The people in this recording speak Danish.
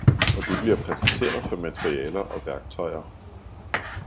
og du bliver præsenteret for materialer og værktøjer